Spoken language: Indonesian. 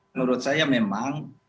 menurut saya memang